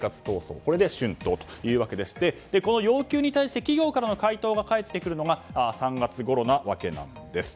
これで春闘というわけでしてこの要求に対して企業からの回答が返ってくるのが３月ごろなわけなんです。